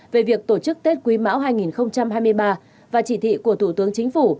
về việc tổ chức tết quý mão hai nghìn hai mươi ba và chỉ thị của thủ tướng chính phủ